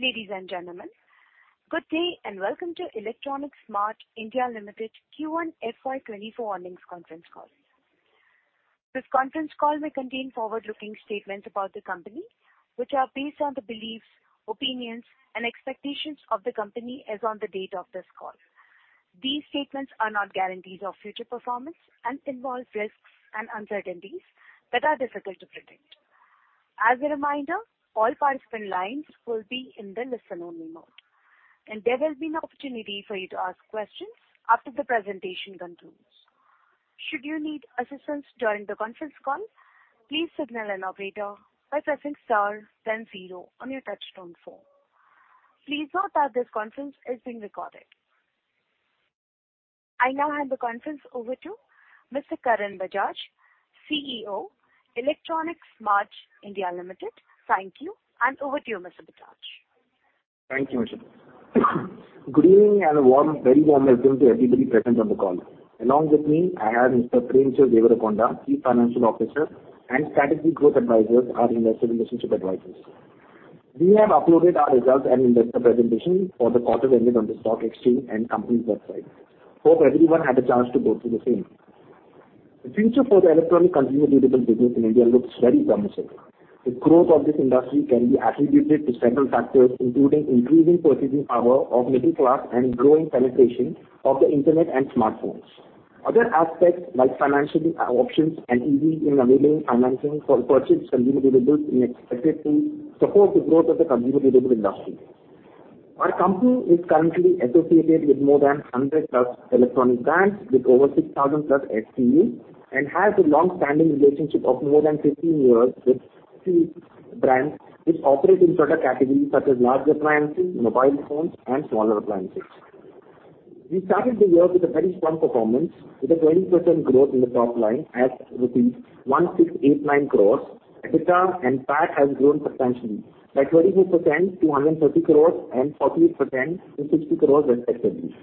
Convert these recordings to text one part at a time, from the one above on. Ladies and gentlemen, good day and welcome to Electronics Mart India Limited Q1 FY 2024 earnings conference call. This conference call may contain forward-looking statements about the company, which are based on the beliefs, opinions, and expectations of the company as on the date of this call. These statements are not guarantees of future performance and involve risks and uncertainties that are difficult to predict. As a reminder, all participant lines will be in the listen-only mode, and there will be an opportunity for you to ask questions after the presentation concludes. Should you need assistance during the conference call, please signal an operator by pressing * then zero on your touch-tone phone. Please note that this conference is being recorded. I now hand the conference over to Mr. Karan Bajaj, CEO, Electronics Mart India Limited. Thank you, and over to you, Mr. Bajaj. Thank you, Michelle. Good evening and a warm, very warm welcome to everybody present on the call. Along with me, I have Mr. Premchand Devarakonda, Chief Financial Officer and Strategic Growth Advisors at Investor Relations Advisors. We have uploaded our results and investor presentation for the quarter ended on the stock exchange and company's website. Hope everyone had a chance to go through the same. The future for the electronic consumer durable business in India looks very promising. The growth of this industry can be attributed to several factors, including increasing purchasing power of middle class and growing penetration of the internet and smartphones. Other aspects, like financial options and easing in available financing for purchased consumer durables is expected to support the growth of the consumer durable industry. Our company is currently associated with more than 100+ electronic brands with over 6,000+ SKUs and has a longstanding relationship of more than 15 years with two brands which operate in product categories such as large appliances, mobile phones, and smaller appliances. We started the year with a very strong performance, with a 20% growth in the top line as received rupees 1,689 crores. EBITDA and PAT have grown substantially by 24% to 130 crores and 48% to 60 crores, respectively.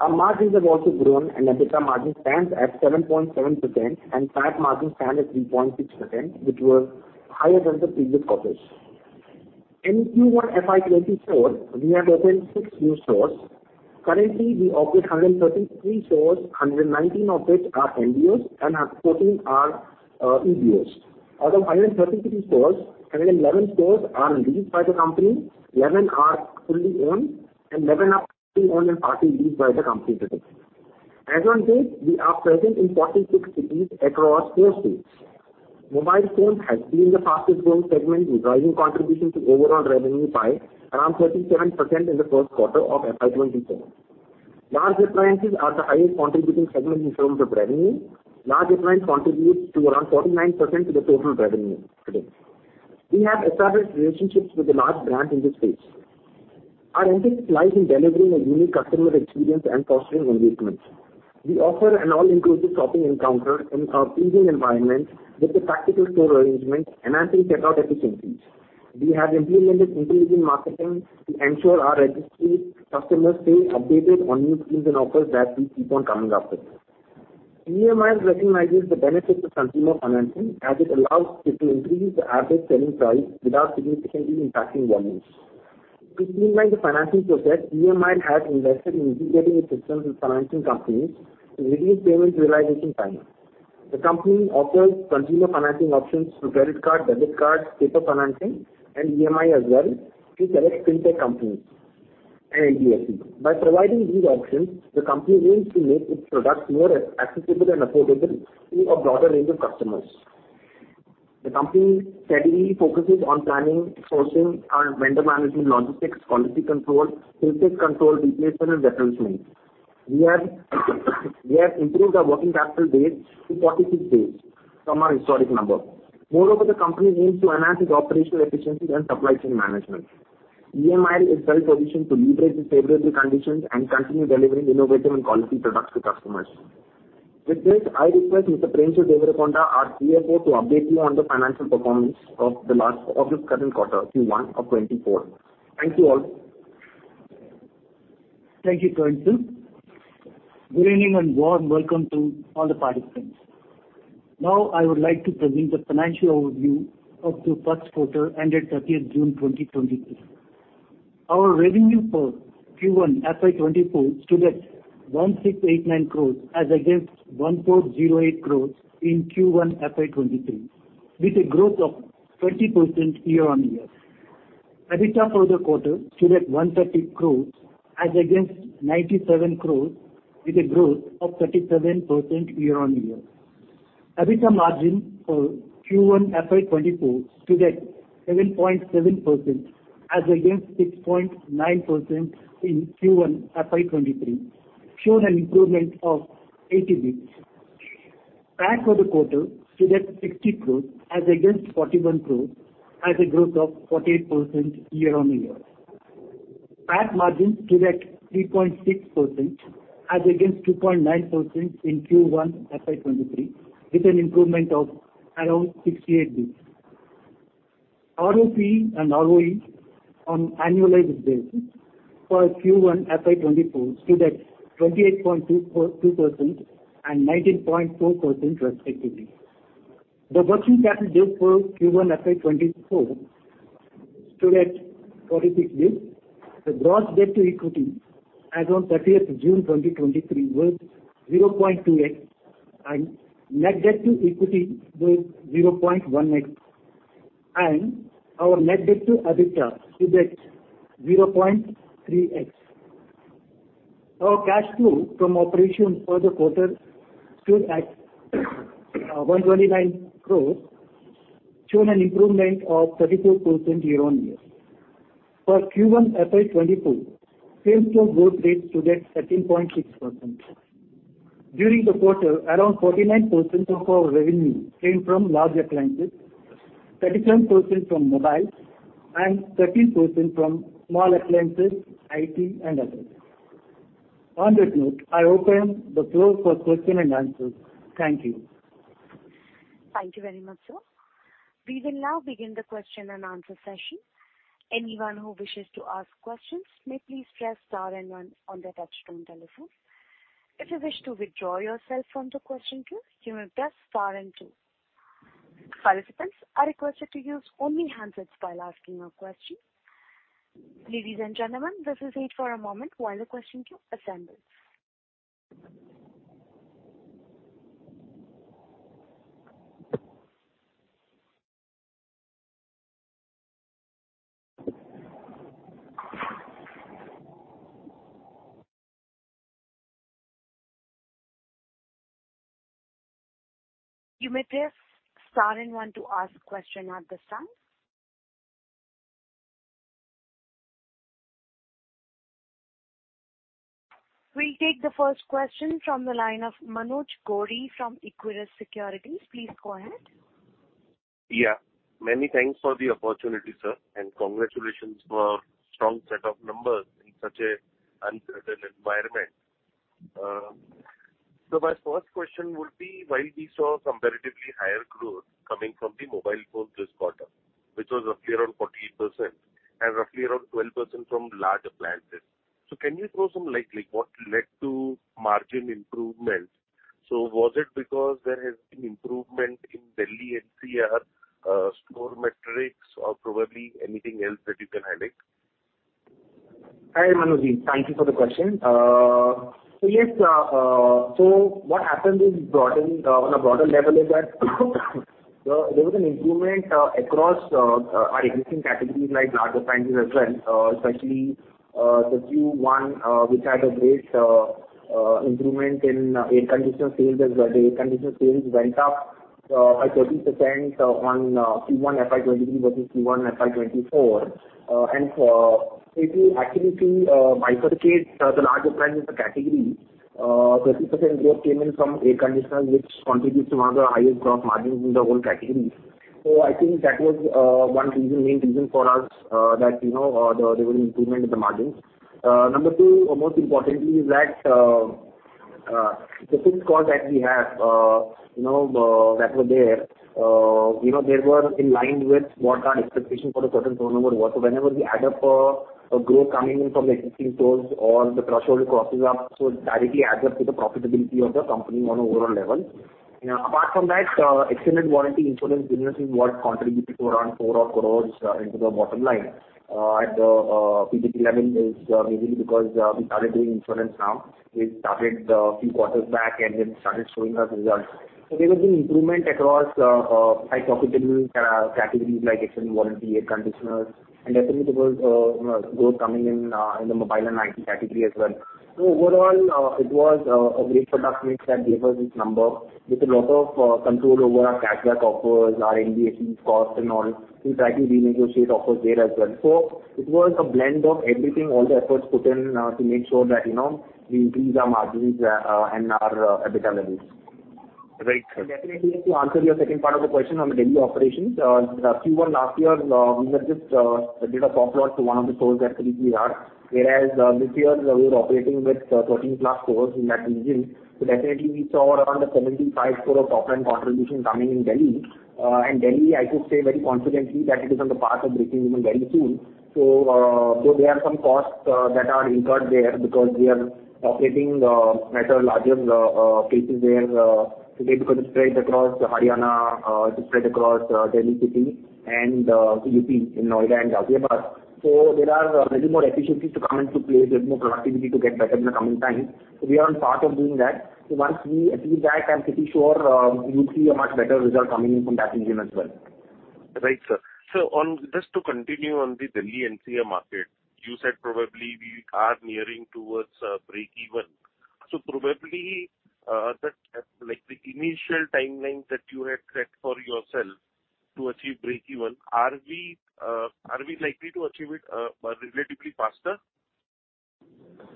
Our margins have also grown, and EBITDA margin stands at 7.7% and PAT margin stands at 3.6%, which were higher than the previous quarters. In Q1 FY 2024, we have opened six new stores. Currently, we operate 133 stores, 119 of which are MBOs and 14 are EBOs. Out of 133 stores, 111 stores are leased by the company, 11 are fully owned, and 11 are fully owned and partially leased by the company today. As on date, we are present in 46 cities across four states. Mobile phones have been the fastest-growing segment, with rising contributions to overall revenue by around 37% in the first quarter of FY 2024. Large appliances are the highest contributing segment in terms of revenue. Large appliance contributes to around 49% of the total revenue today. We have established relationships with the large brands in this space. Our emphasis lies in delivering a unique customer experience and fostering engagement. We offer an all-inclusive shopping encounter in a pleasing environment with a practical store arrangement enhancing checkout efficiencies. We have implemented intelligent marketing to ensure our registry customers stay updated on new schemes and offers that we keep on coming up with. EMI recognizes the benefits of consumer financing as it allows it to increase the average selling price without significantly impacting volumes. To streamline the financing process, EMI has invested in integrating its systems with financing companies to reduce payment realization time. The company offers consumer financing options through credit card, debit card, paper financing, and EMI as well to select fintech companies and NBFC. By providing these options, the company aims to make its products more accessible and affordable to a broader range of customers. The company steadily focuses on planning, sourcing, vendor management, logistics, quality control, fintech control, replacement, and replacement. We have improved our working capital base to 46 days from our historic number. Moreover, the company aims to enhance its operational efficiencies and supply chain management. EMI is well positioned to leverage its favorable conditions and continue delivering innovative and quality products to customers. With this, I request Mr. Premchand Devarakonda, our CFO, to update you on the financial performance of this current quarter, Q1 of 2024. Thank you all. Thank you, Premchand. Good evening and warm welcome to all the participants. Now, I would like to present the financial overview of the first quarter ended 30th June 2023. Our revenue for Q1 FY 2024 stood at 1,689 crores as against 1,408 crores in Q1 FY 2023, with a growth of 20% year-on-year. EBITDA for the quarter stood at 130 crores as against 97 crores, with a growth of 37% year-on-year. EBITDA margin for Q1 FY 2024 stood at 7.7% as against 6.9% in Q1 FY 2023, showing an improvement of 80 basis points. PAT for the quarter stood at 60 crores as against 41 crores, with a growth of 48% year-on-year. PAT margin stood at 3.6% as against 2.9% in Q1 FY 2023, with an improvement of around 68 basis points. ROP and ROE on annualized basis for Q1 FY 2024 stood at 28.2% and 19.4%, respectively. The working capital days for Q1 FY 2024 stood at 46 days. The gross debt to equity, as on 30th June 2023, was 0.2x, and net debt to equity was 0.1x, and our net debt to EBITDA stood at 0.3x. Our cash flow from operations for the quarter stood at 129 crores, showing an improvement of 34% year-on-year. For Q1 FY 2024, same-store growth rate stood at 13.6%. During the quarter, around 49% of our revenue came from large appliances, 37% from mobile, and 13% from small appliances, IT, and others. On that note, I open the floor for questions and answers. Thank you. Thank you very much, Sir. We will now begin the question and answer session. Anyone who wishes to ask questions may please press * and 1 on their touch-tone telephone. If you wish to withdraw yourself from the question queue, you may press * and two. Participants are requested to use only the handset while asking a question. Ladies and gentlemen, please wait for a moment while the question queue assembles. You may press * and one to ask a question at this time. We'll take the first question from the line of Manoj Gori from Equirus Securities. Please go ahead. Yeah. Many thanks for the opportunity, sir, and congratulations for a strong set of numbers in such an uncertain environment. So my first question would be, while we saw a comparatively higher growth coming from the mobile phones this quarter, which was roughly around 48% and roughly around 12% from large appliances, so can you throw some light on what led to margin improvement? So was it because there has been improvement in Delhi NCR store metrics or probably anything else that you can highlight? Hi, Manoj. Thank you for the question. So yes, so what happened is, on a broader level, is that there was an improvement across our existing categories like large appliances as well, especially the Q1, which had a great improvement in air conditioner sales as well. The air conditioner sales went up by 30% on Q1 FY 2023 versus Q1 FY 2024. And if you actually bifurcate the large appliances category, 30% growth came in from air conditioners, which contributes to one of the highest gross margins in the whole category. So I think that was one main reason for us that there was an improvement in the margins. Number two, most importantly, is that the fixed costs that we have that were there, they were in line with what our expectation for the certain phone number was. So whenever we add up a growth coming in from the existing stores or the threshold crosses up, so it directly adds up to the profitability of the company on a overall level. Apart from that, extended warranty insurance businesses contributed to around 400 crore into the bottom line. At the PBT level, it's mainly because we started doing insurance now. We started a few quarters back and then started showing us results. So there was an improvement across high-profitable categories like extended warranty, air conditioners, and definitely, there was growth coming in the mobile and IT category as well. So overall, it was a great product mix that gave us this number with a lot of control over our cashback offers, our NBFC cost, and all. We tried to renegotiate offers there as well. So it was a blend of everything, all the efforts put in to make sure that we increase our margins and our EBITDA levels. Very good. And definitely, to answer your second part of the question on the Delhi operations, Q1 last year, we just did a soft launch to one of the stores that we are, whereas this year, we were operating with 13+ stores in that region. So definitely, we saw around a 75% of top-line contribution coming in Delhi. And Delhi, I could say very confidently that it is on the path of breaking even very soon. So though there are some costs that are incurred there because we are operating at larger places there today because it's spread across Haryana, it's spread across Delhi City, and UP, in Noida and Ghaziabad. So there are many more efficiencies to come into place, a bit more productivity to get better in the coming times. So we are on the path of doing that. Once we achieve that, I'm pretty sure you'll see a much better result coming in from that region as well. Very good. So just to continue on the Delhi NCR market, you said probably we are nearing towards break-even. So probably, the initial timeline that you had set for yourself to achieve break-even, are we likely to achieve it relatively faster?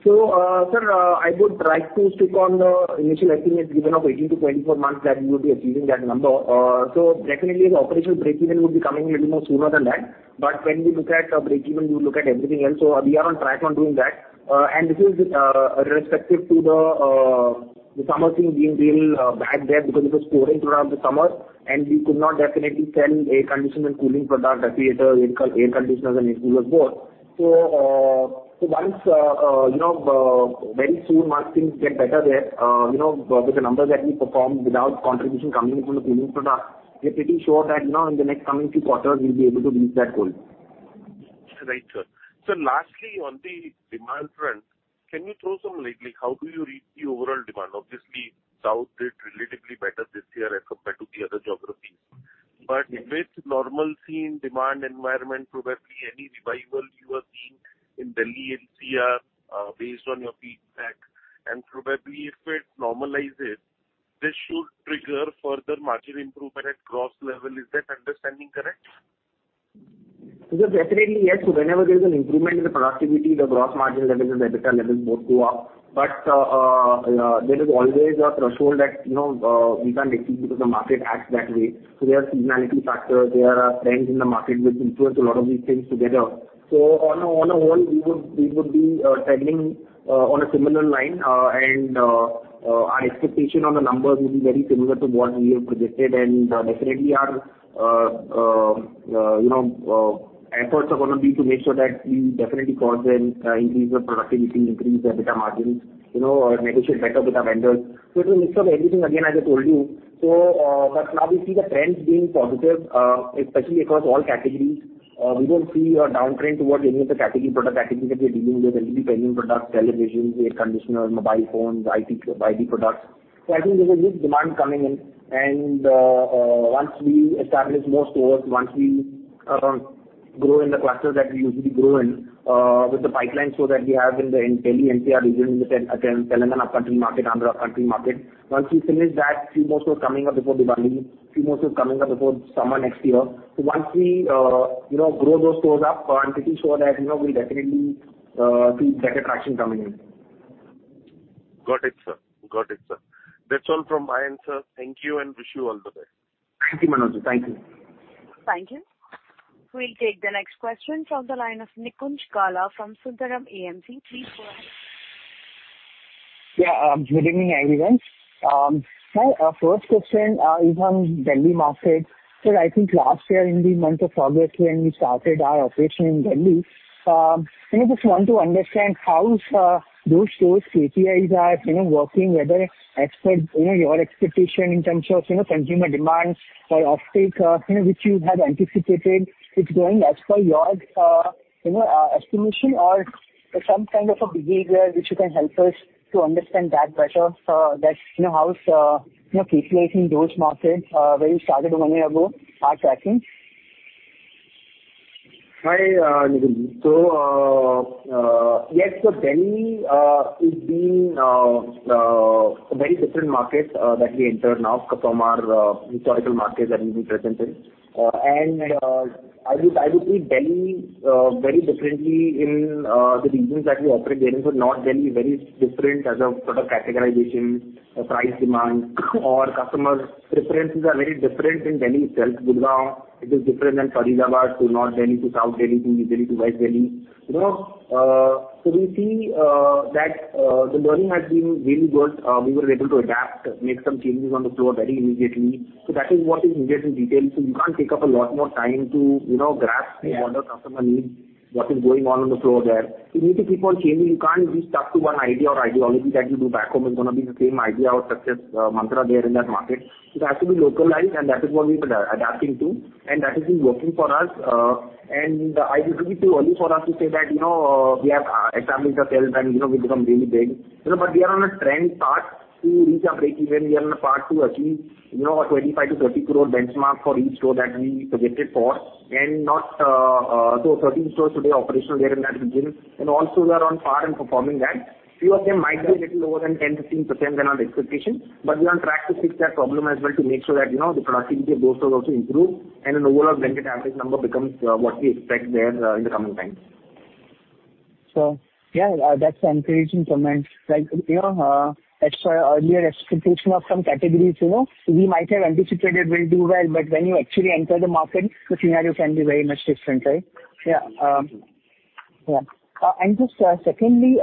So sir, I would like to stick on the initial estimates given of 18-24 months that we would be achieving that number. So definitely, the operational break-even would be coming a little more sooner than that. But when we look at break-even, we will look at everything else. So we are on track on doing that. And this is respective to the summer thing being real bad there because it was pouring throughout the summer, and we could not definitely sell air conditioner and cooling product, refrigerator, air conditioners, and air coolers, both. So once very soon, once things get better there with the numbers that we performed without contribution coming in from the cooling product, we are pretty sure that in the next coming few quarters, we'll be able to reach that goal. Very good. So lastly, on the demand front, can you throw some light on how do you read the overall demand? Obviously, South did relatively better this year as compared to the other geographies. But with normal-seen demand environment, probably any revival you are seeing in Delhi NCR based on your feedback, and probably if it normalizes, this should trigger further margin improvement at gross level. Is that understanding correct? So definitely, yes. So whenever there's an improvement in the productivity, the gross margin levels, the EBITDA levels, both go up. But there is always a threshold that we can't exceed because the market acts that way. So there are seasonality factors. There are trends in the market which influence a lot of these things together. So on a whole, we would be traveling on a similar line, and our expectation on the numbers would be very similar to what we have projected. And definitely, our efforts are going to be to make sure that we definitely cause an increase in productivity, increase EBITDA margins, negotiate better with our vendors. So it's a mix of everything. Again, as I told you, but now we see the trends being positive, especially across all categories. We don't see a downtrend towards any of the product categories that we're dealing with: LED pendant products, televisions, air conditioners, mobile phones, IT products. So I think there's a huge demand coming in. And once we establish more stores, once we grow in the cluster that we usually grow in with the pipeline store that we have in the Delhi NCR region, in the Telangana AP market, Andhra Pradesh market, once we finish that, a few more stores coming up before Diwali, a few more stores coming up before summer next year. So once we grow those stores up, I'm pretty sure that we'll definitely see better traction coming in. Got it, sir. Got it, sir. That's all from my end, sir. Thank you and wish you all the best. Thank you, Manoj. Thank you. Thank you. We'll take the next question from the line of Nikunj Gala from Sundaram AMC. Please go ahead. Yeah. Good evening, everyone. Sir, first question is on Delhi market. Sir, I think last year, in the month of August, when we started our operation in Delhi, I just want to understand how those stores' KPIs are working, whether your expectation in terms of consumer demand or uptake, which you have anticipated, it's going as per your estimation or some kind of a behavior which you can help us to understand that better, how's KPIs in those markets where you started one year ago are tracking? Hi, Nikunj. So yes, Delhi has been a very different market that we enter now from our historical market that we've been present in. I would treat Delhi very differently in the regions that we operate in. So North Delhi, very different as a sort of categorization, price demand, or customer preferences are very different in Delhi itself. Gurgaon, it is different than Faridabad, to North Delhi, to South Delhi, to Uttar Pradesh, to West Delhi. So we see that the learning has been really good. We were able to adapt, make some changes on the floor very immediately. So that is what is needed in detail. So you can't take up a lot more time to grasp what our customer needs, what is going on on the floor there. You need to keep on changing. You can't be stuck to one idea or ideology that you do back home. It's going to be the same idea or success mantra there in that market. It has to be localized, and that is what we are adapting to. That has been working for us. It would be too early for us to say that we have established ourselves and we've become really big. We are on a trend path to reach our break-even. We are on a path to achieve a 25 crore-30 crore benchmark for each store that we projected for. 13 stores today operational there in that region, and also we are on par in performing that. A few of them might be a little over than 10%-15% than our expectation, but we are on track to fix that problem as well to make sure that the productivity of those stores also improves and an overall blanket average number becomes what we expect there in the coming times. So yeah, that's encouraging comments. Earlier expectation of some categories, we might have anticipated will do well, but when you actually enter the market, the scenario can be very much different, right? Yeah. Yeah. And just secondly,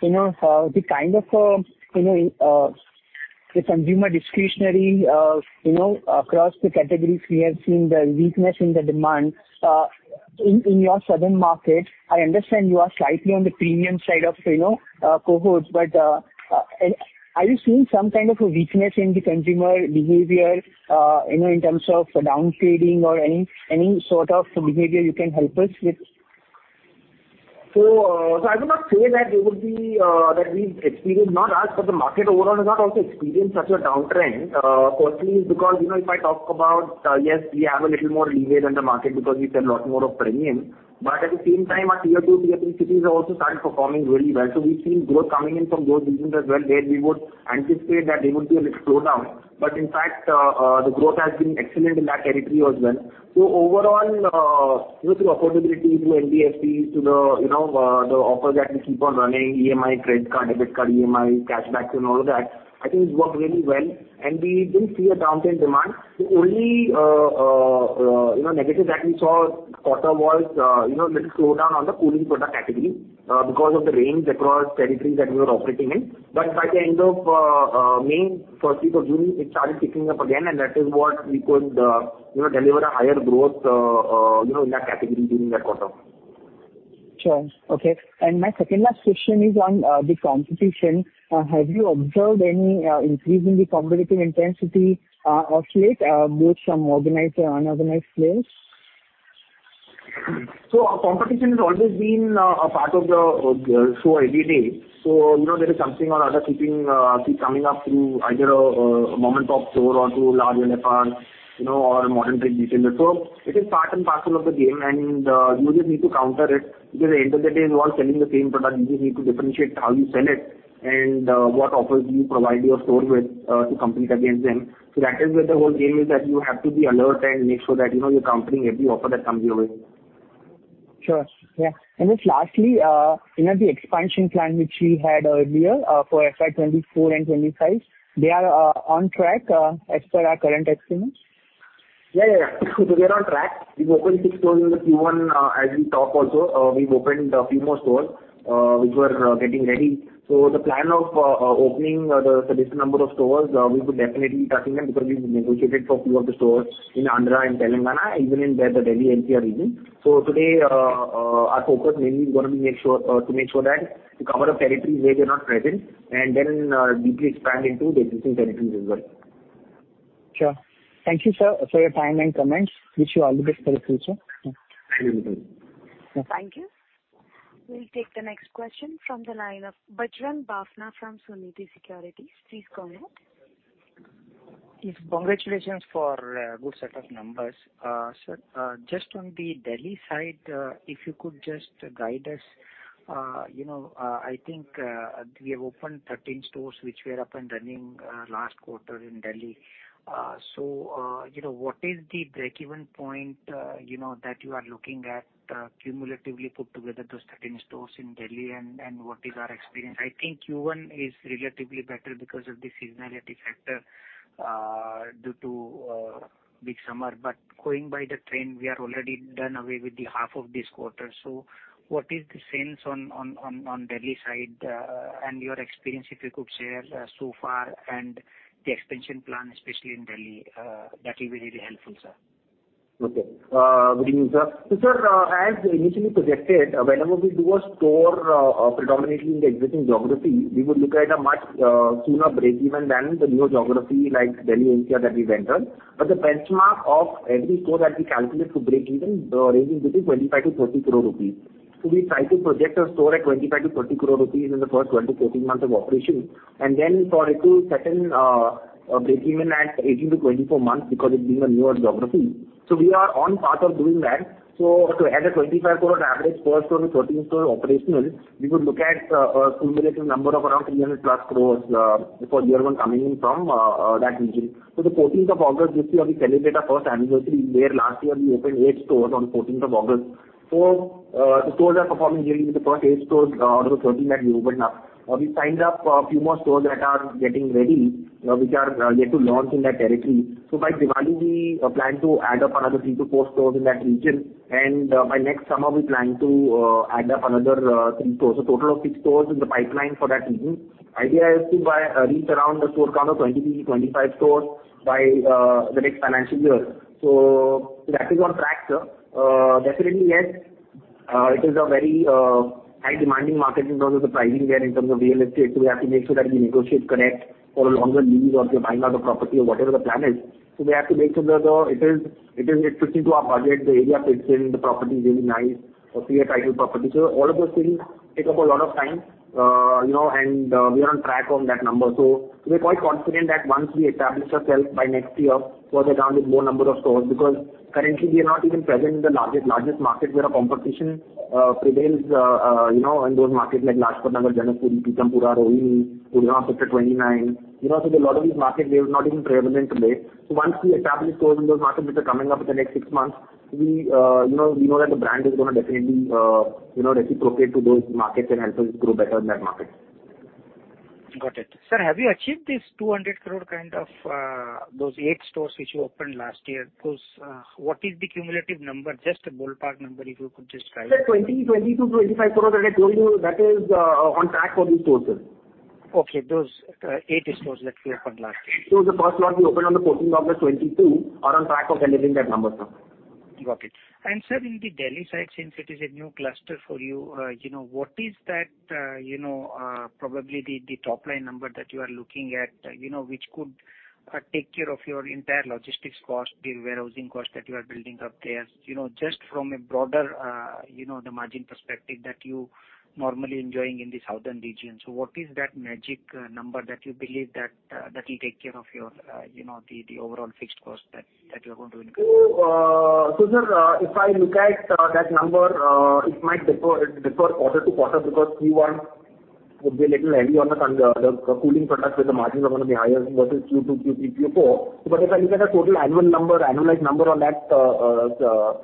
the kind of the consumer discretionary across the categories, we have seen the weakness in the demand. In your southern market, I understand you are slightly on the premium side of cohorts, but are you seeing some kind of a weakness in the consumer behavior in terms of downtrading or any sort of behavior you can help us with? So, I would not say that we've experienced, not us, but the market overall has not also experienced such a downtrend. Firstly, it's because if I talk about, yes, we have a little more leeway than the market because we sell a lot more of premium. But at the same time, our Tier 2, Tier 3 cities have also started performing really well. So we've seen growth coming in from those regions as well where we would anticipate that there would be a little slowdown. But in fact, the growth has been excellent in that territory as well. So overall, through affordability, through NBFCs, through the offers that we keep on running, EMI, credit card, debit card EMI, cashbacks, and all of that, I think it's worked really well. And we didn't see a downtrend demand. The only negative that we saw this quarter was a little slowdown on the cooling product category because of the rains across territories that we were operating in. But by the end of May, first week of June, it started picking up again, and that is what we could deliver a higher growth in that category during that quarter. Sure. Okay. And my second last question is on the competition. Have you observed any increase in the competitive intensity of late, both from organized and unorganized players? So competition has always been a part of the show every day. So there is something or other keeps coming up through either a mom-and-pop store or through large LFR or modern trade retailers. So it is part and parcel of the game, and you just need to counter it because at the end of the day, we're all selling the same product. You just need to differentiate how you sell it and what offers do you provide your store with to compete against them. So that is where the whole game is, that you have to be alert and make sure that you're countering every offer that comes your way. Sure. Yeah. And just lastly, the expansion plan which we had earlier for FY 2024 and 2025, they are on track as per our current estimates? Yeah, yeah, yeah. So they are on track. We've opened 6 stores in the Q1 as we talked also. We've opened a few more stores which were getting ready. So the plan of opening the sufficient number of stores, we would definitely be touching them because we've negotiated for a few of the stores in Andhra and Telangana, even in the Delhi NCR region. So today, our focus mainly is going to be to make sure that we cover the territories where they're not present and then deeply expand into the existing territories as well. Sure. Thank you, sir, for your time and comments. Wish you all the best for the future. Thank you, Nikunj. Thank you. We'll take the next question from the line of Bajrang Bafna from Sunidhi Securities. Please go ahead. Yes. Congratulations for a good set of numbers. Sir, just on the Delhi side, if you could just guide us. I think we have opened 13 stores which were up and running last quarter in Delhi. So what is the break-even point that you are looking at cumulatively put together, those 13 stores in Delhi, and what is our experience? I think Q1 is relatively better because of the seasonality factor due to big summer. But going by the trend, we are already done away with half of this quarter. So what is the sense on Delhi side and your experience, if you could share, so far and the expansion plan, especially in Delhi? That will be really helpful, sir. Okay. Good evening, sir. So Sir, as initially projected, whenever we do a store predominantly in the existing geography, we would look at a much sooner break-even than the new geography like Delhi NCR that we went on. But the benchmark of every store that we calculate for break-even ranges between 25-30 crore rupees. So we try to project a store at 25-30 crore rupees in the first 12-14 months of operation, and then for it to set in a break-even at 18-24 months because it's being a newer geography. So we are on the path of doing that. So at a 25-crore average, first or the 13th store operational, we would look at a cumulative number of around 300+ crores for year one coming in from that region. So the 14th of August this year, we celebrate our first anniversary where last year, we opened 8 stores on the 14th of August. So the stores are performing really well. The first eight stores out of the 13 that we opened up, we signed up a few more stores that are getting ready which are yet to launch in that territory. So by Diwali, we plan to add up another three-four stores in that region. And by next summer, we plan to add up another three stores, a total of 6 stores in the pipeline for that region. The idea is to reach around a store count of 23-25 stores by the next financial year. So that is on track, sir. Definitely, yes. It is a very high-demanding market because of the pricing there in terms of real estate. So we have to make sure that we negotiate correct for a longer lease or if you're buying out a property or whatever the plan is. So we have to make sure that it fits into our budget. The area fits in. The property is really nice. A clear title property. So all of those things take up a lot of time, and we are on track on that number. So we're quite confident that once we establish ourselves by next year, further down with more number of stores because currently, we are not even present in the largest market where our competition prevails in those markets like Laxmi Nagar, Janakpuri, Pitampura, Rohini, Gurgaon Sector 29. So a lot of these markets, they're not even prevalent today. Once we establish stores in those markets which are coming up in the next six months, we know that the brand is going to definitely retropropagate to those markets and help us grow better in that market. Got it. Sir, have you achieved this 200 crore kind of those eight stores which you opened last year? What is the cumulative number, just a ballpark number, if you could just drive? Sir, 20, 22, 25 crores that I told you, that is on track for these stores, sir. Okay. Those eight stores that we opened last year. The first lot we opened on the 14th of August, 2022, are on track of delivering that number, sir. Got it. And sir, in the Delhi side, since it is a new cluster for you, what is that probably the top-line number that you are looking at which could take care of your entire logistics cost, the warehousing cost that you are building up there, just from a broader margin perspective that you're normally enjoying in the southern region? So what is that magic number that you believe that will take care of the overall fixed cost that you're going to incur? So, sir, if I look at that number, it might differ quarter to quarter because Q1 would be a little heavy on the cooling products where the margins are going to be higher versus Q2, Q3, Q4. But if I look at the total annual number, annualized number on that cluster,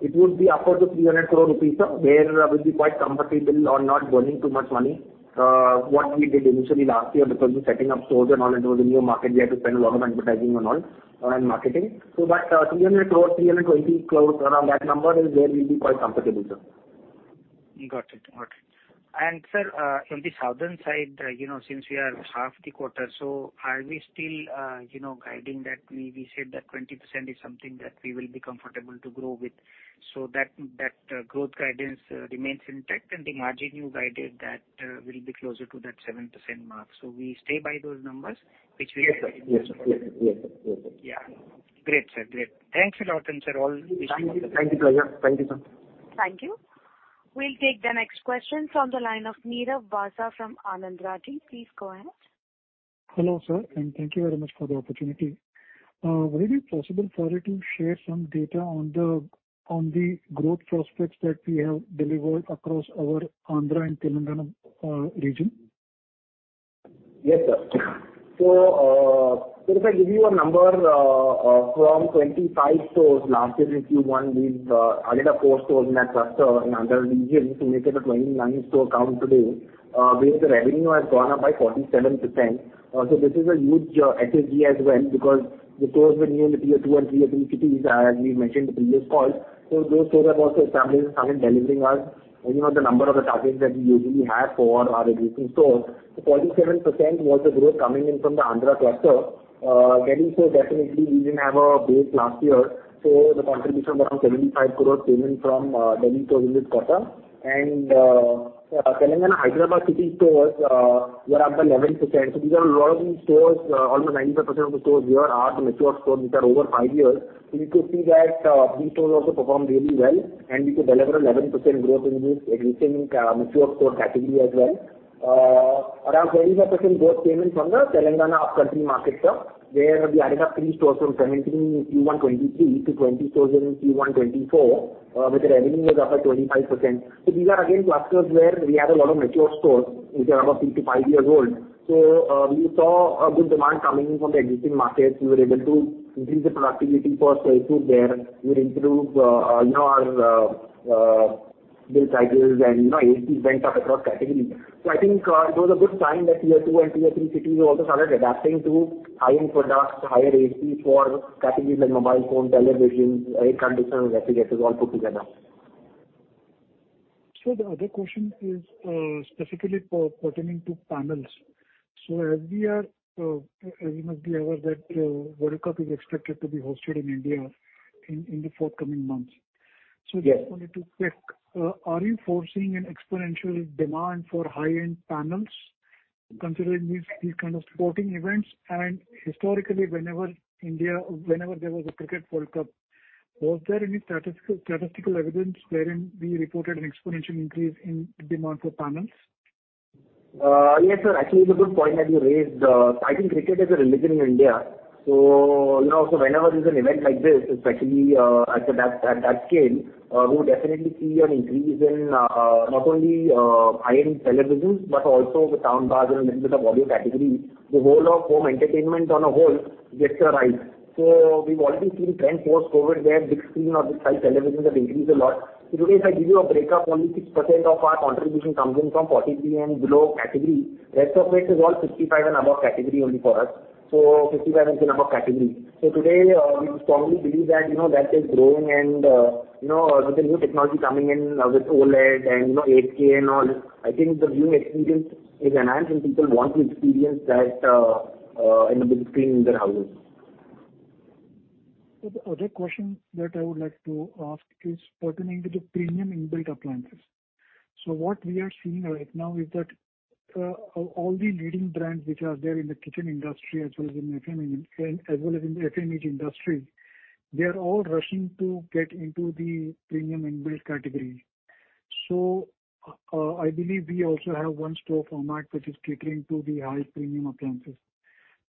it would be upwards of 300 crore rupees, sir, where we'd be quite comfortable on not burning too much money. What we did initially last year because we're setting up stores and all, it was a new market. We had to spend a lot of advertising and all and marketing. But 300 crore-320 crore around that number is where we'll be quite comfortable, sir. Got it. Got it. Sir, on the southern side, since we are half the quarter, so are we still guiding that we said that 20% is something that we will be comfortable to grow with so that growth guidance remains intact and the margin you guided that will be closer to that 7% mark? So we stay by those numbers which we are getting? Yes, sir. Yes, sir. Yes, sir. Yes, sir. Yeah. Great, sir. Great. Thanks a lot, and sir, all the best for the day. Thank you. Thank you, pleasure. Thank you, sir. Thank you. We'll take the next question from the line of Nirav Vasa from Anand Rathi. Please go ahead. Hello, sir, and thank you very much for the opportunity. Would it be possible for you to share some data on the growth prospects that we have delivered across our Andhra and Telangana region? Yes, sir. So if I give you a number from 25 stores last year in Q1, we've added four stores in that cluster in Andhra region to make it a 29-store count today where the revenue has gone up by 47%. So this is a huge SSG as well because the stores were new in the Tier 2 and Tier 3 cities, as we've mentioned in previous calls. So those stores have also established and started delivering us the number of the targets that we usually have for our existing stores. So 47% was the growth coming in from the Andhra cluster. Given so, definitely, we didn't have a base last year. So the contribution was around 75 crore came in from Delhi stores in this quarter. And Telangana and Hyderabad city stores were up by 11%. So these are a lot of these stores, almost 95% of the stores here are the mature stores which are over 5 years. So you could see that these stores also performed really well, and we could deliver 11% growth in this existing mature store category as well. Around 75% growth came in from the Telangana up-country market, sir, where we added up three stores from 17 in Q1 2023 to 20 stores in Q1 2024 where the revenue was up by 25%. So these are, again, clusters where we had a lot of mature stores which are about 3-5 years old. So we saw a good demand coming in from the existing markets. We were able to increase the productivity for salesroom there. We were improving our bill prices, and ASPs went up across categories. So I think it was a good sign that Tier 2 and Tier 3 cities also started adopting to high-end products, higher ASPs for categories like mobile phone, televisions, air conditioners, refrigerators, all put together. Sir, the other question is specifically pertaining to panels. So as we are as much the hour that World Cup is expected to be hosted in India in the forthcoming months. So just wanted to check, are you foreseeing an exponential demand for high-end panels considering these kind of sporting events? And historically, whenever there was a cricket World Cup, was there any statistical evidence wherein we reported an exponential increase in demand for panels? Yes, sir. Actually, it's a good point that you raised. I think cricket is a religion in India. So whenever there's an event like this, especially at that scale, we would definitely see an increase in not only high-end televisions but also the soundbars and a little bit of audio categories. The whole of home entertainment as a whole gets a rise. So we've already seen trends post-COVID where big screen or big-size televisions have increased a lot. So today, if I give you a breakup, only 6% of our contribution comes in from 40B and below categories. The rest of it is all 55 and above category only for us, so 55 and above categories. So today, we strongly believe that that is growing. With the new technology coming in with OLED and 8K and all, I think the viewing experience is enhanced, and people want to experience that in the big screen in their houses. Another question that I would like to ask is pertaining to the premium inbuilt appliances. So what we are seeing right now is that all the leading brands which are there in the kitchen industry as well as in the FMH industry, they are all rushing to get into the premium inbuilt category. So I believe we also have one store format which is catering to the high premium appliances.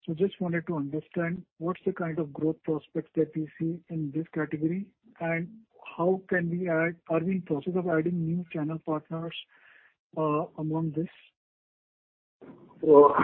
So I just wanted to understand, what's the kind of growth prospects that we see in this category, and how can we add? Are we in the process of adding new channel partners among this? So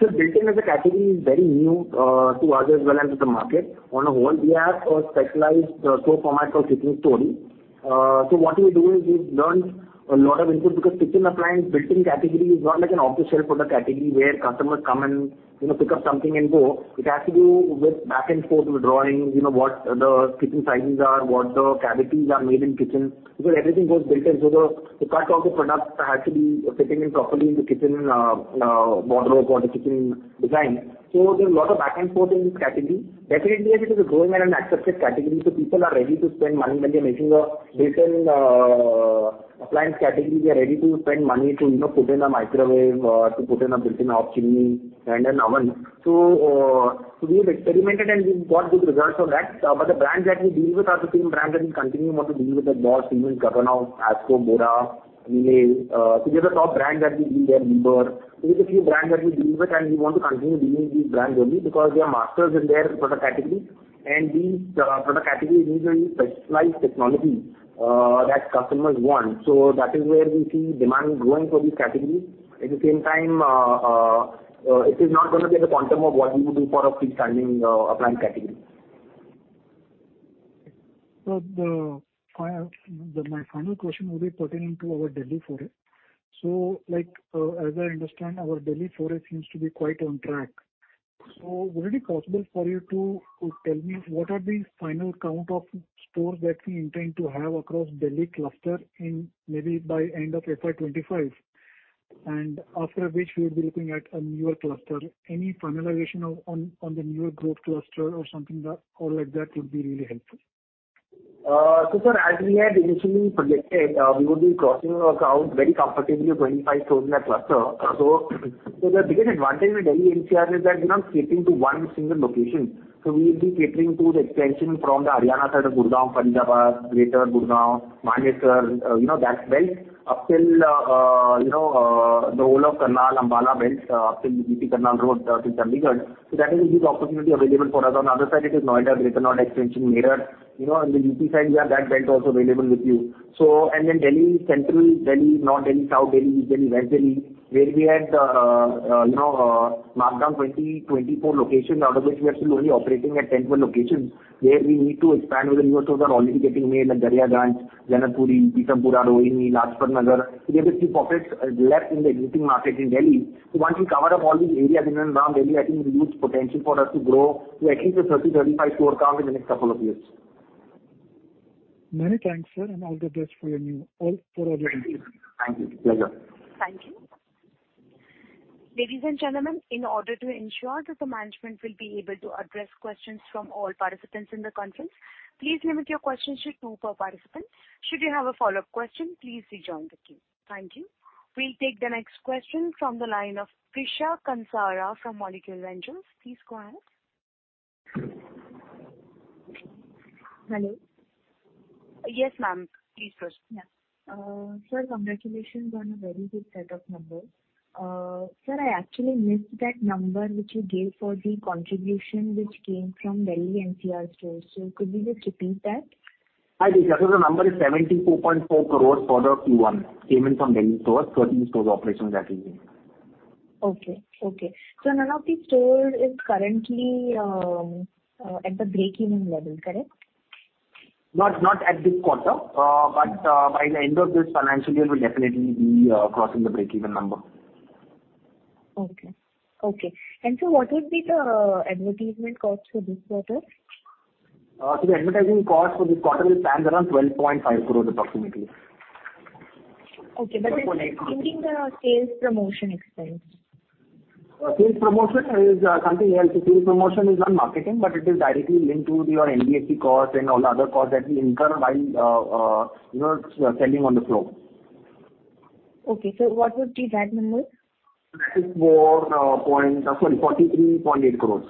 sir, built-in as a category is very new to us as well as to the market. On the whole, we have a specialized store format called Kitchen Story. So what we do is we've learned a lot of input because kitchen appliance built-in category is not like an off-the-shelf product category where customers come and pick up something and go. It has to do with back-and-forth with drawings, what the kitchen sizes are, what the cavities are made in kitchen because everything goes built-in. So the cut of the product has to be fitting in properly in the kitchen wardrobe or the kitchen design. So there's a lot of back-and-forth in this category. Definitely, yes, it is a growing and an accepted category. So people are ready to spend money when they're making a built-in appliance category. They are ready to spend money to put in a microwave, to put in a built-in hot chimney, and an oven. So we have experimented, and we've got good results on that. But the brands that we deal with are the same brands that we continue want to deal with at Bosch, Siemens, Gaggenau, Asko, Bora, Miele. So they're the top brands that we deal with. We're a few brands that we deal with, and we want to continue dealing with these brands only because they are masters in their product category. And these product categories need very specialized technology that customers want. So that is where we see demand growing for these categories. At the same time, it is not going to be at the quantum of what we would do for a freestanding appliance category. My final question will be pertaining to our Delhi foray. So as I understand, our Delhi foray seems to be quite on track. So would it be possible for you to tell me, what are the final count of stores that we intend to have across Delhi cluster maybe by the end of FY 2025, and after which we would be looking at a newer cluster? Any finalization on the newer growth cluster or something like that would be really helpful. So sir, as we had initially projected, we would be crossing our count very comfortably of 25 stores in that cluster. So the biggest advantage with Delhi NCR is that we're not catering to one single location. So we will be catering to the extension from the Haryana side of Gurgaon, Faridabad, Greater Gurgaon, Manesar, that belt up till the whole of Karnal, Ambala belt, up till UP Karnal Road to Chandigarh. So that is a huge opportunity available for us. On the other side, it is Noida, Greater Noida extension, Meerut. On the UP side, we have that belt also available with you. And then Delhi, Central Delhi, North Delhi, South Delhi, East Delhi, West Delhi, where we had marked down 20, 24 locations, out of which we are still only operating at 10, 12 locations where we need to expand with the newer stores that are already getting made like Daryaganj, Janakpuri, Pitampura, Rohini, Lajpatnagar. So we have a few pockets left in the existing market in Delhi. So once we cover up all these areas in and around Delhi, I think there's huge potential for us to grow to at least a 30, 35 store count in the next couple of years. Many thanks, sir, and all the best for all your input. Thank you. Pleasure. Thank you. Ladies and gentlemen, in order to ensure that the management will be able to address questions from all participants in the conference, please limit your questions to two per participant. Should you have a follow-up question, please rejoin the queue. Thank you. We'll take the next question from the line of Krisha Kansara from Molecule Ventures. Please go ahead. Hello? Yes, ma'am. Please go ahead. Yeah. Sir, congratulations on a very good set of numbers. Sir, I actually missed that number which you gave for the contribution which came from Delhi NCR stores. So could you just repeat that? I did, sir. So the number is 74.4 crore for the Q1 came in from Delhi stores, 13 stores operating that region. Okay. Okay. So none of these stores is currently at the break-even level, correct? Not at this quarter. But by the end of this financial year, we'll definitely be crossing the break-even number. Okay. Okay. And so what would be the advertisement cost for this quarter? The advertising cost for this quarter will stand around 12.5 crores approximately. Okay. But is it including the sales promotion expense? Sales promotion is something else. Sales promotion is non-marketing, but it is directly linked to your NBFC costs and all the other costs that we incur while selling on the floor. Okay. So what would be that number? That is 43.8 crores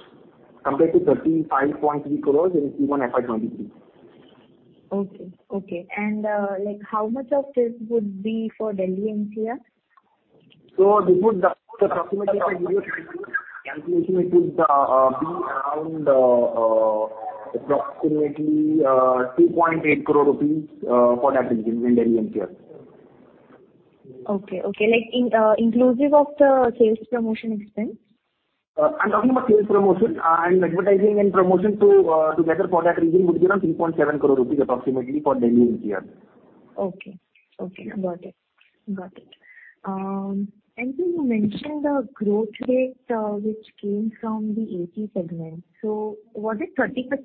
compared to 35.3 crores in Q1 FY 2023. Okay. Okay. How much of this would be for Delhi NCR? Approximately, if I give you a calculation, it would be around approximately 2.8 crore rupees for that region in Delhi NCR. Okay. Okay. Inclusive of the sales promotion expense? I'm talking about sales promotion. Advertising and promotion together for that region would be around 3.7 crore rupees approximately for Delhi NCR. Okay. Okay. Got it. Got it. And so you mentioned the growth rate which came from the AP segment. So was it 30%? 30%.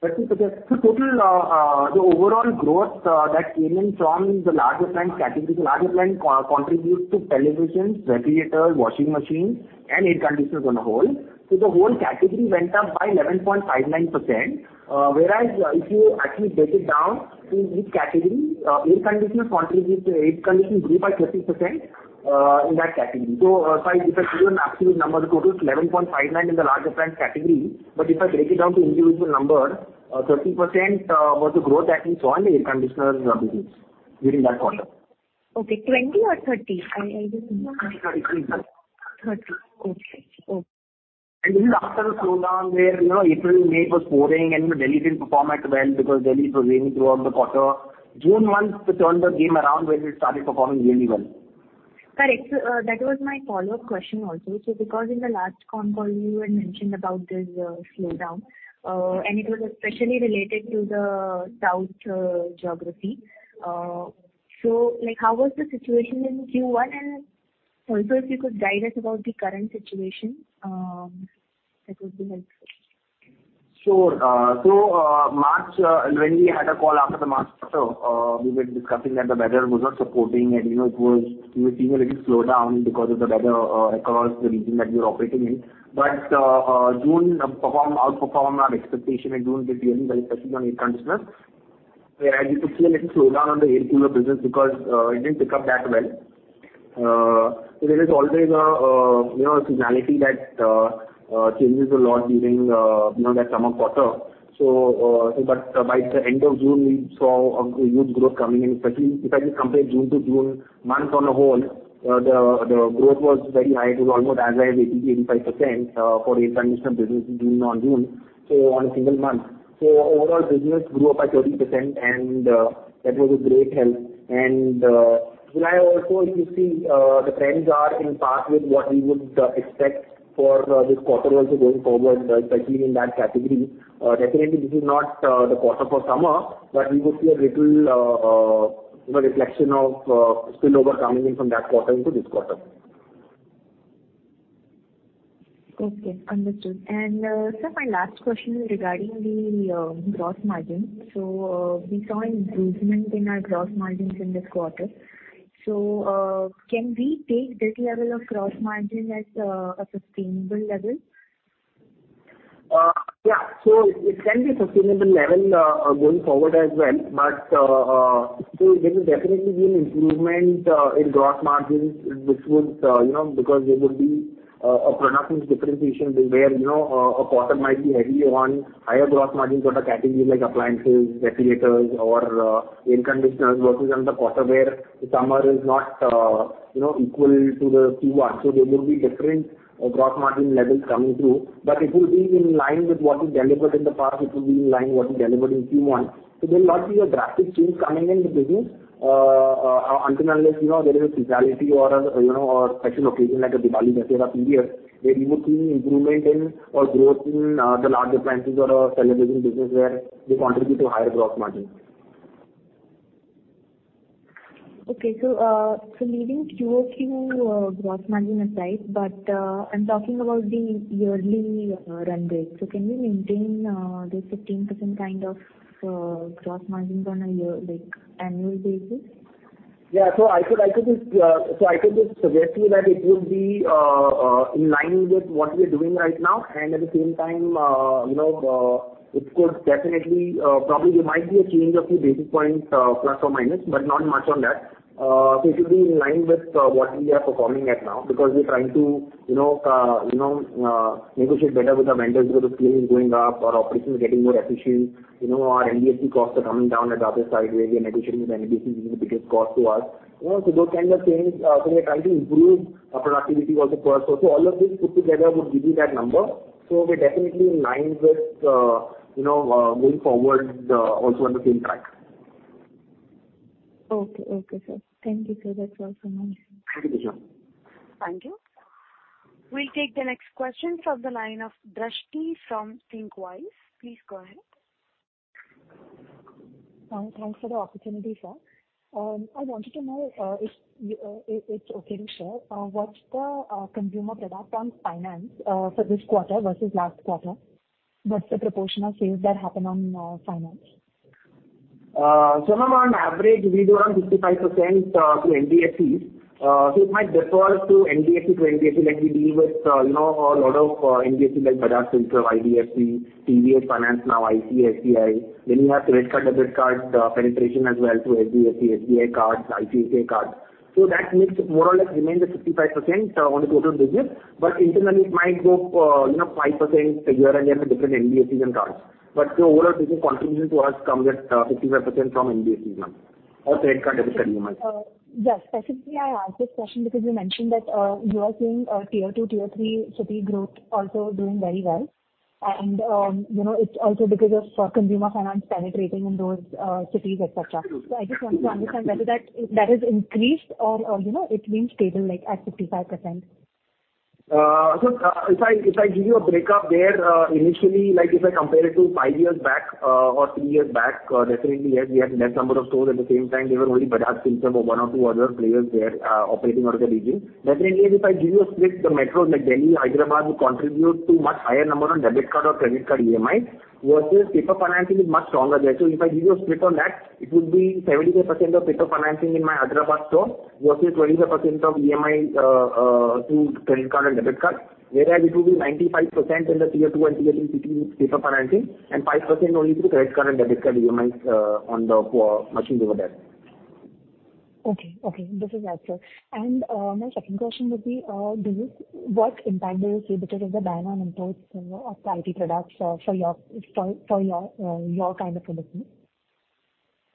So the overall growth that came in from the large appliance category, the large appliance contributes to televisions, refrigerators, washing machines, and air conditioners as a whole. So the whole category went up by 11.59%. Whereas if you actually break it down to each category, air conditioners contribute to air conditioning grew by 30% in that category. So if I give you an absolute number, the total is 11.59% in the large appliance category. But if I break it down to individual numbers, 30% was the growth that we saw in the air conditioners business during that quarter. Okay. 20 or 30? I just. 20, 30. Okay. Okay. This is after the slowdown where April, May was pouring, and Delhi didn't perform that well because Delhi was raining throughout the quarter. June month, the turnbook came around where it started performing really well. Correct. So that was my follow-up question also. So because in the last con call, you had mentioned about this slowdown, and it was especially related to the south geography. So how was the situation in Q1? And also, if you could guide us about the current situation, that would be helpful. Sure. So when we had a call after the March quarter, we were discussing that the weather was not supporting it. We were seeing a little slowdown because of the weather across the region that we were operating in. But June outperformed our expectation. June did really well, especially on air conditioners, whereas we could see a little slowdown on the air cooler business because it didn't pick up that well. So there is always a seasonality that changes a lot during that summer quarter. But by the end of June, we saw a huge growth coming in. Especially if I just compare June to June, month on the whole, the growth was very high. It was almost as high as 80%-85% for air conditioner business in June-on-June, so on a single month. So overall, business grew up by 30%, and that was a great help. And also, if you see, the trends are in part with what we would expect for this quarter also going forward, especially in that category. Definitely, this is not the quarter for summer, but we would see a little reflection of spillover coming in from that quarter into this quarter. Okay. Understood. Sir, my last question is regarding the gross margin. We saw an improvement in our gross margins in this quarter. Can we take this level of gross margin as a sustainable level? Yeah. So it can be a sustainable level going forward as well. But there will definitely be an improvement in gross margins because there would be a product differentiation where a quarter might be heavy on higher gross margin product categories like appliances, refrigerators, or air conditioners versus another quarter where summer is not equal to the Q1. So there would be different gross margin levels coming through. But it will be in line with what we delivered in the past. It will be in line with what we delivered in Q1. So there will not be a drastic change coming in the business until unless there is a seasonality or a special occasion like a Diwali Dussehra period where you would see improvement or growth in the large appliances or a television business where they contribute to higher gross margin. Okay. So leaving QOQ gross margin aside, but I'm talking about the yearly run rate. So can we maintain the 15% kind of gross margins on an annual basis? Yeah. So I could just suggest to you that it would be in line with what we are doing right now. At the same time, it could definitely probably there might be a change of a few basis points ±, but not much on that. It would be in line with what we are performing right now because we're trying to negotiate better with our vendors because the scale is going up or operations are getting more efficient. Our NDFC costs are coming down at the other side where we are negotiating with NDFC, which is the biggest cost to us. Those kinds of things. We are trying to improve productivity also per source. All of this put together would give you that number. We're definitely in line with going forward also on the same track. Okay. Okay, Sir. Thank you, Sir. That's all from us. Thank you, Krisha. Thank you. We'll take the next question from the line of Drashti from Thinqwise. Please go ahead. Thanks for the opportunity, sir. I wanted to know if it's okay to share. What's the consumer product on finance for this quarter versus last quarter? What's the proportion of sales that happen on finance? So ma'am, on average, we do around 55% through NBFC. So it might differ from NBFC to NBFC. We deal with a lot of NBFC like Bajaj, Shriram, IDFC, TVS, FinanceNow, ICICI, SBI. Then you have credit card, debit card penetration as well to SBI cards, ICICI cards. So that mix more or less remains at 55% on the total business. But internally, it might go 5% year-on-year with different NBFCs and cards. But the overall business contribution to us comes at 55% from NBFCs now or credit card, debit card, EMI. Yes. Specifically, I asked this question because you mentioned that you are seeing a Tier 2, Tier 3 city growth also doing very well. It's also because of consumer finance penetrating in those cities, etc. I just wanted to understand whether that has increased or it remains stable at 55%. So if I give you a breakup there, initially, if I compare it to 5 years back or 3 years back, definitely, yes, we had a net number of stores at the same time. They were only Bajaj, SilkRave, or one or two other players there operating out of the region. Definitely, if I give you a split of the metros like Delhi, Hyderabad, which contribute to a much higher number on debit card or credit card EMI versus paper financing, is much stronger there. So if I give you a split on that, it would be 75% of paper financing in my Hyderabad store versus 25% of EMI through credit card and debit card, whereas it would be 95% in the Tier 2 and Tier 3 cities with paper financing and 5% only through credit card and debit card EMIs on the machines over there. Okay. Okay. This is helpful. And my second question would be, what impact do you see because of the buy-in on imports of the IT products for your kind of products?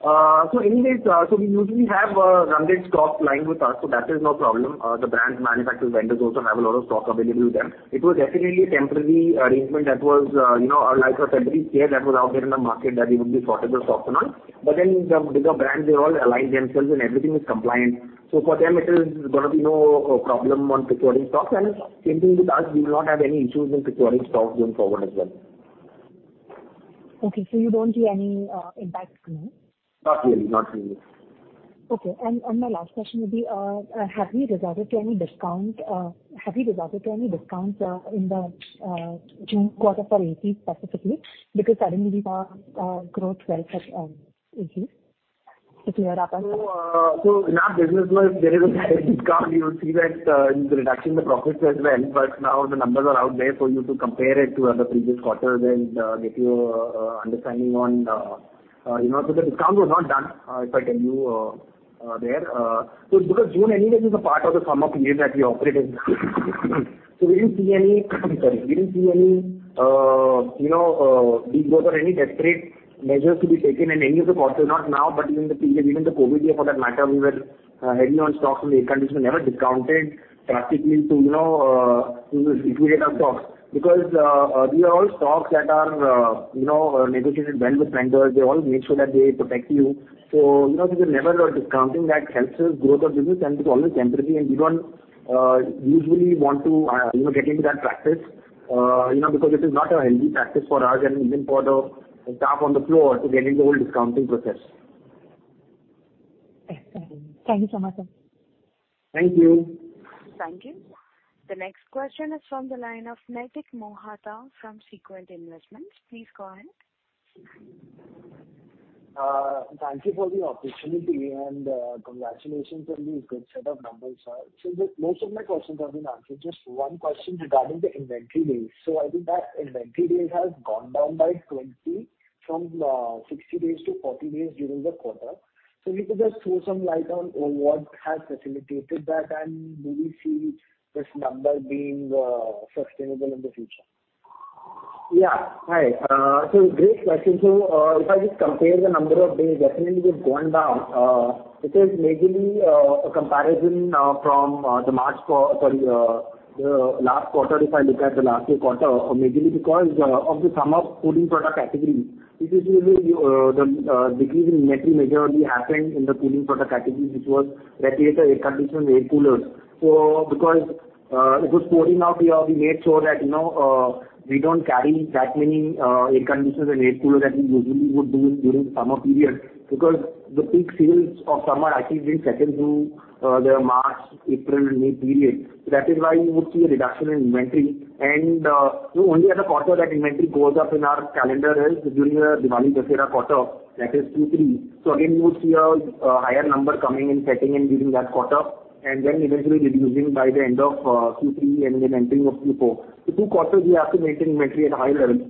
So anyways, we usually have run rate stock lying with us. That is no problem. The brands, manufacturers, vendors also have a lot of stock available with them. It was definitely a temporary arrangement that was like a temporary scare that was out there in the market that we would be sorting the stocks and all. But then the bigger brands, they all align themselves, and everything is compliant. So for them, it is going to be no problem on securing stocks. And same thing with us. We will not have any issues in securing stocks going forward as well. Okay. So you don't see any impact now? Not really. Not really. Okay. My last question would be, have we resulted in any discounts in the June quarter for AP specifically? Because suddenly, we saw growth well set in AP. To clear up. So in our business, if there is a discount, you would see that in the reduction in the profits as well. But now the numbers are out there for you to compare it to other previous quarters and get your understanding on. So the discount was not done, if I tell you there. So because June anyways is a part of the summer period that we operate in. So we didn't see any. We didn't see any degrowth or any desperate measures to be taken in any of the quarters. Not now, but even the previous even the COVID year, for that matter, we were heavy on stocks, and the air conditioner never discounted drastically to liquidate our stocks because these are all stocks that are negotiated well with vendors. They all make sure that they protect you. So if you're never discounting, that helps us growth of business. It's always temporary. We don't usually want to get into that practice because it is not a healthy practice for us and even for the staff on the floor to get into the whole discounting process. Excellent. Thank you so much, sir. Thank you. Thank you. The next question is from the line of Naitik Mota from Sequent Investments. Please go ahead. Thank you for the opportunity, and congratulations on this good set of numbers, sir. So most of my questions have been answered. Just one question regarding the inventory days. So I think that inventory days have gone down by 20 from 60 days to 40 days during the quarter. So if you could just throw some light on what has facilitated that, and do we see this number being sustainable in the future? Yeah. Hi. So great question. So if I just compare the number of days, definitely, they've gone down. This is majorly a comparison from the March, sorry, the last quarter, if I look at the last year quarter, majorly because of the summer cooling product categories. This is really the decrease in inventory majorly happened in the cooling product categories, which was refrigerator, air conditioners, air coolers. So because it was pouring out here, we made sure that we don't carry that many air conditioners and air coolers that we usually would do during the summer period because the peak sales of summer actually didn't set in through the March, April, and May period. So that is why you would see a reduction in inventory. And the only other quarter that inventory goes up in our calendar is during the Diwali Dussehra quarter, that is Q3. So again, you would see a higher number coming and setting in during that quarter and then eventually reducing by the end of Q3 and then entering of Q4. So two quarters, we have to maintain inventory at a high level.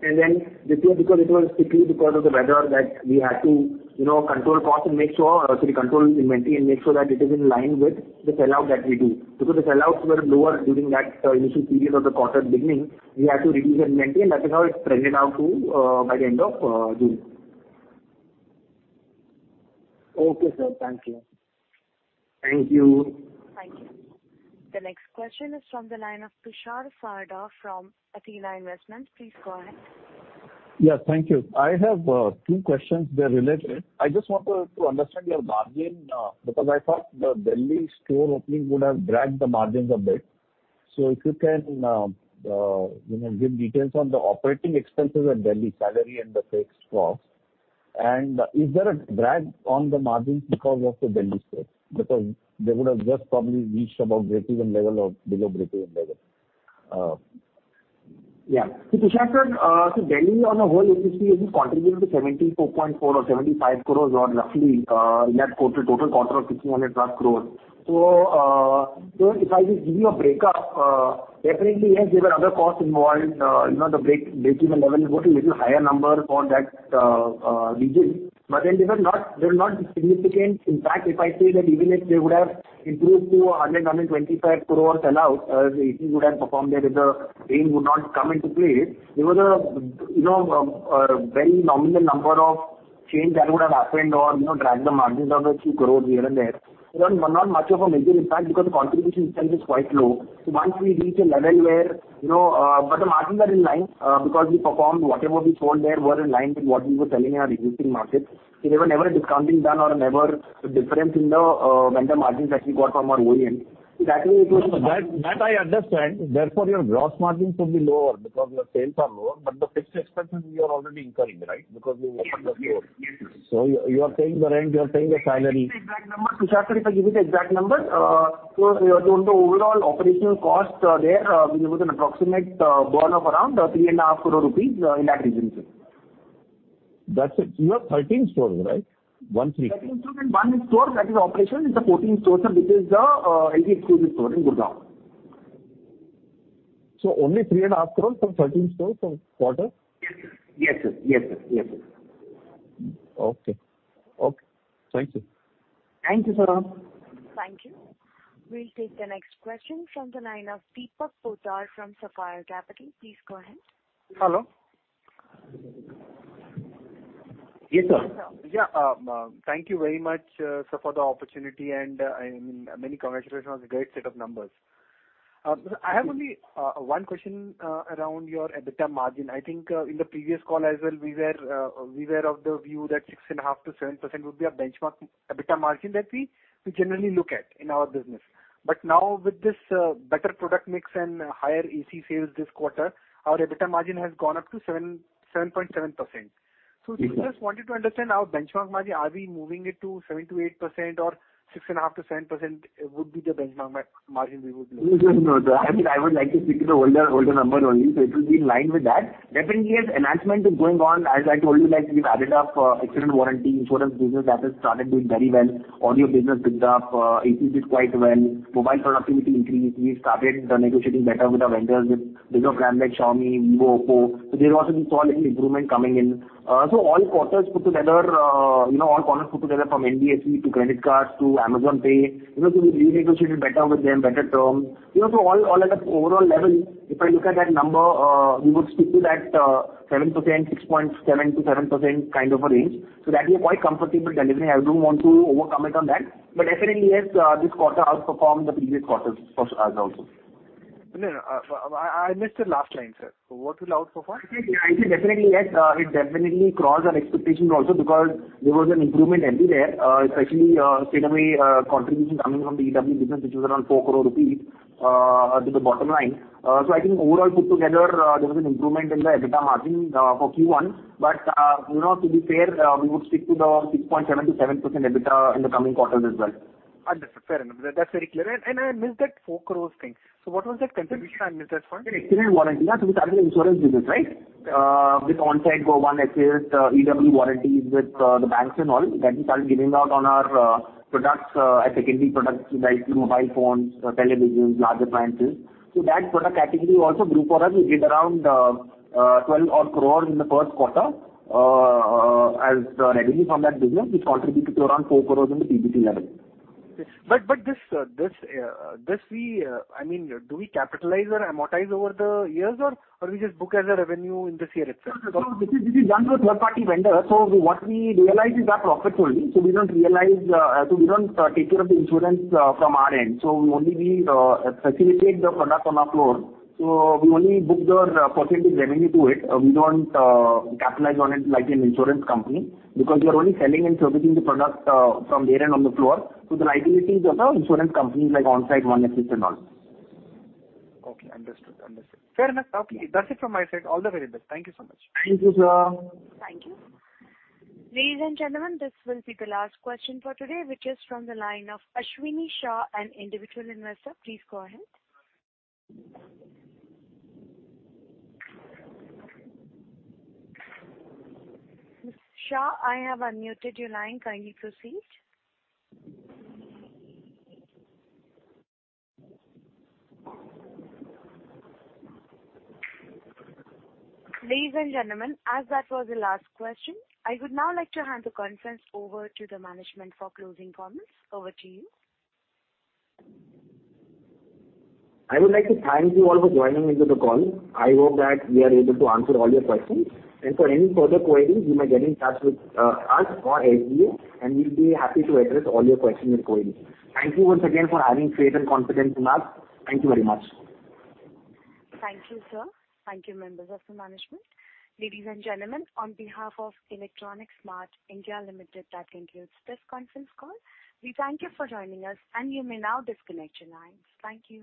And then this year, because it was strictly because of the weather that we had to control costs and make sure sorry, control inventory and make sure that it is in line with the sellout that we do. Because the sellouts were lower during that initial period of the quarter beginning, we had to reduce inventory. And that is how it spread out by the end of June. Okay, sir. Thank you. Thank you. Thank you. The next question is from the line of Rishad Fatta from Athena Investments. Please go ahead. Yes. Thank you. I have two questions. They're related. I just wanted to understand your margin because I thought the Delhi store opening would have dragged the margins a bit. So if you can give details on the operating expenses at Delhi, salary and the fixed costs. Is there a drag on the margins because of the Delhi stores? Because they would have just probably reached about below break-even level. Yeah. So Prishad sir, so Delhi as a whole, it has contributed to 74.4 crores or 75 crores or roughly in that total quarter of 1,500+ crores. So if I just give you a breakup, definitely, yes, there were other costs involved. The break-even level was a little higher number for that region. But then there were not significant impacts. If I say that even if they would have improved to 100 crores-125 crores sellouts, as AP would have performed there if the rain would not come into play, there was a very nominal number of change that would have happened or dragged the margins down by 2 crores here and there. But not much of a major impact because the contribution itself is quite low. So once we reach a level where but the margins are in line because we performed whatever we sold there were in line with what we were selling in our existing market. So there were never discounting done or never a difference in the vendor margins that we got from our OEM. So that way, it was. That I understand. Therefore, your gross margins would be lower because your sales are lower. But the fixed expenses, you are already incurring, right, because you opened the store. So you are paying the rent. You are paying the salary. Give me the exact numbers, Prishad sir. If I give you the exact numbers. So on the overall operational cost there, there was an approximate burn-off around 3.5 crores rupees in that region, sir. That's it. You have 13 stores, right? one to four. 13 stores and one store. That is operational. It's the 14 stores, sir, which is the LG Exclusive store in Gurdwara. Only 3.5 crores for 13 stores per quarter? Yes, sir. Yes, sir. Yes, sir. Yes, sir. Okay. Okay. Thank you. Thank you, sir. Thank you. We'll take the next question from the line of Deepak Poddar from Sapphire Capital. Please go ahead. Hello? Yes, sir. Yeah. Thank you very much, sir, for the opportunity. I mean, many congratulations on the great set of numbers. I have only one question around your EBITDA margin. I think in the previous call as well, we were of the view that 6.5%-7% would be a benchmark EBITDA margin that we generally look at in our business. But now, with this better product mix and higher AC sales this quarter, our EBITDA margin has gone up to 7.7%. We just wanted to understand our benchmark margin. Are we moving it to 7%-8%, or 6.5%-7% would be the benchmark margin we would look at? No, no, no. I mean, I would like to stick to the older number only. So it will be in line with that. Definitely, yes, enhancement is going on. As I told you, we've added up excellent warranty, insurance business that has started doing very well. Audio business built up. AP did quite well. Mobile productivity increased. We started negotiating better with our vendors with bigger brands like Xiaomi, Vivo, Oppo. So there also will be small little improvements coming in. So all quarters put together all corners put together from NDFC to credit cards to Amazon Pay. So we renegotiated better with them, better terms. So all at an overall level, if I look at that number, we would stick to that 6.7%-7% kind of a range. So that we are quite comfortable delivering. I don't want to overcommit on that. Definitely, yes, this quarter outperformed the previous quarters for us also. No, no. I missed the last line, sir. What will outperform? Yeah. I said definitely, yes. It definitely crossed our expectations also because there was an improvement everywhere, especially straight-away contribution coming from the EW business, which was around 4 crore rupees to the bottom line. So I think overall put together, there was an improvement in the EBITDA margin for Q1. But to be fair, we would stick to the 6.7%-7% EBITDA in the coming quarters as well. Understood. Fair enough. That's very clear. And I missed that 4 crore thing. So what was that contribution I missed as far as? Excellent warranty. So we started an insurance business, right, with Onsite, Go1, Access, EW warranties with the banks and all that we started giving out on our secondary products like mobile phones, televisions, large appliances. So that product category also grew for us. We did around 12-odd crores in the first quarter as revenue from that business, which contributed to around 4 crores in the PBT level. This, I mean, do we capitalize or amortize over the years, or we just book as a revenue in this year itself? This is done through third-party vendors. What we realize is our profit only. We don't realize, so we don't take care of the insurance from our end. We only facilitate the product on our floor. We only book their percentage revenue to it. We don't capitalize on it like an insurance company because we are only selling and servicing the product from their end on the floor. The liabilities are insurance companies like Onsite, One Assist, and all. Okay. Understood. Understood. Fair enough. Okay. That's it from my side. All the very best. Thank you so much. Thank you, sir. Thank you. Ladies and gentlemen, this will be the last question for today, which is from the line of Ashwini Shah and Individual Investor. Please go ahead. Mr. Shah, I have unmuted your line. Kindly proceed. Ladies and gentlemen, as that was the last question, I would now like to hand the conference over to the management for closing comments. Over to you. I would like to thank you all for joining into the call. I hope that we are able to answer all your questions. For any further queries, you may get in touch with us or SGA, and we'll be happy to address all your questions and queries. Thank you once again for having faith and confidence in us. Thank you very much. Thank you, sir. Thank you, members of the management. Ladies and gentlemen, on behalf of Electronics Mart India Ltd., that concludes this conference call. We thank you for joining us, and you may now disconnect your lines. Thank you.